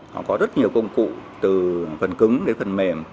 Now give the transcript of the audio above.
họ có rất nhiều công cụ từ phần cứng đến phần mềm